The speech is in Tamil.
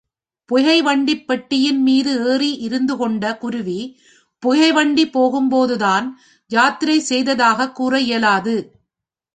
புகை வண்டிப் பெட்டியின் மீது ஏறி இருந்துகொண்ட குருவி, புகைவண்டி போகும்போது தான் யாத்திரை செய்ததாகக் கூற இயலாது.